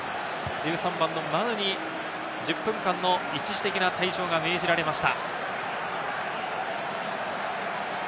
１３番のマヌに一時的な退場が命じられました。